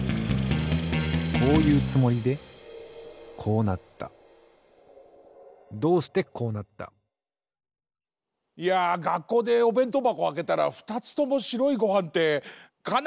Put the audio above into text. こういうつもりでこうなったいやがっこうでおべんとうばこあけたらふたつともしろいごはんってかなりショックですよね。